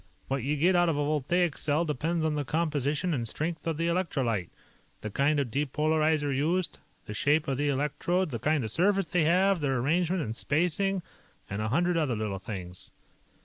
What you get out of a voltaic cell depends on the composition and strength of the electrolyte, the kind of depolarizer used, the shape of the electrodes, the kind of surface they have, their arrangement and spacing, and a hundred other little things."